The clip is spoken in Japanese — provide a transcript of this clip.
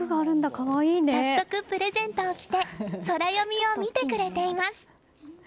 早速プレゼントを着てソラよみを見てくれています。